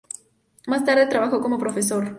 Más tarde trabajó como profesor.